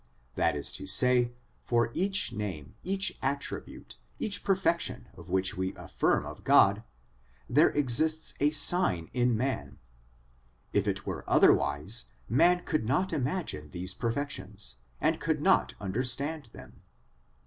That is to say, for each name, each attribute, each perfection which we affirm of God, there exists a sign in man ; if it were otherwise, man could not imagine these perfections, and could not understand them.